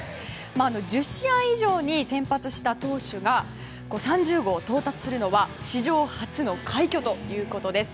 １０試合以上に先発した投手が３０号に到達するのは史上初の快挙ということです。